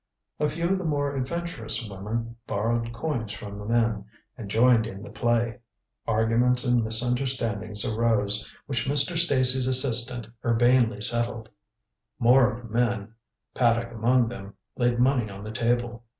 A few of the more adventurous women borrowed coins from the men, and joined in the play. Arguments and misunderstandings arose, which Mr. Stacy's assistant urbanely settled. More of the men Paddock among them laid money on the table.